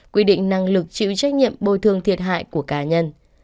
quy định năng lực chịu trách nhiệm bồi thường thiệt hại của cá nhân